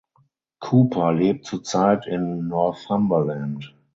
Cooper lebt zurzeit in Northumberland.